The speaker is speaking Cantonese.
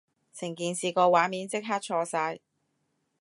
成件事個畫面即刻錯晒